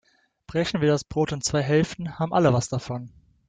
Brechen wir das Brot in zwei Hälften, haben alle etwas davon.